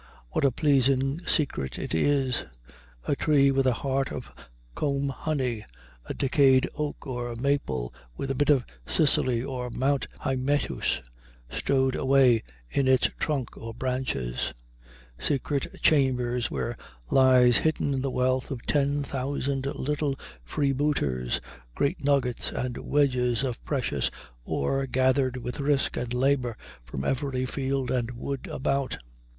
What a pleasing secret it is, a tree with a heart of comb honey, a decayed oak or maple with a bit of Sicily or Mount Hymettus stowed away in its trunk or branches; secret chambers where lies hidden the wealth of ten thousand little freebooters, great nuggets and wedges of precious ore gathered with risk and labor from every field and wood about!